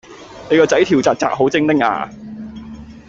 你個仔跳紥紥好精靈呀